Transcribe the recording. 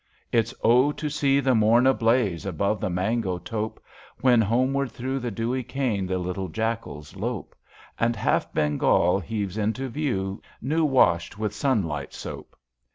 It's Oh to see the morn ablaze * Above the mango tope, When homeward through the dewy cane The little jackals lope, And half Bengal heaves into view, New washed — ^with sunlight soap.